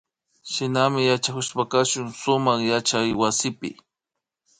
Shinami yachakushpa kashun sumak yachaywasipi